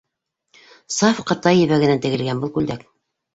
Саф ҡытай ебәгенән тегелгән был күлдәк.